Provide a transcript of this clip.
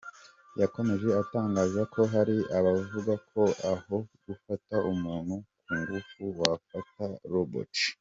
Yakomeje atangaza ko “Hari abavuga ko aho gufata umuntu ku ngufu wafata robot".